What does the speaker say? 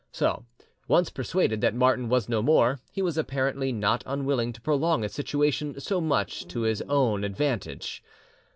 So, once persuaded that Martin was no more, he was apparently not unwilling to prolong a situation so much to his own advantage.